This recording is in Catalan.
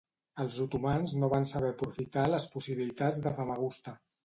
Els otomans no van saber aprofitar les possibilitats de Famagusta.